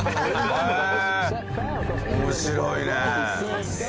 面白いね。